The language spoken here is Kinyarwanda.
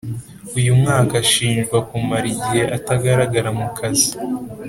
uyu mwaka, ashinjwa kumara igihe atagaragara mu kazi.